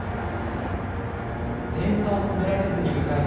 点差を詰められずに迎えた